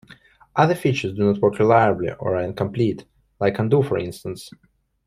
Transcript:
Other features do not work reliably or are incomplete, like Undo for instance.